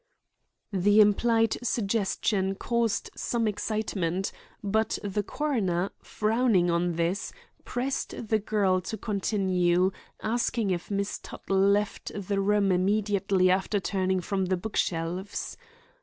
The implied suggestion caused some excitement, but the coroner, frowning on this, pressed the girl to continue, asking if Miss Tuttle left the room immediately after turning from the book shelves.